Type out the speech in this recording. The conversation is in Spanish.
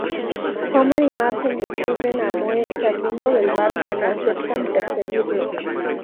Homer y Marge descubren a Moe saliendo del bar cuando aceptan perseguirlo.